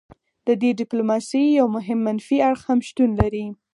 د دې ډیپلوماسي یو مهم منفي اړخ هم شتون لري